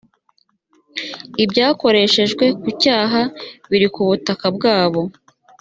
ibyakoreshejwe ku cyaha biri ku butaka bwabo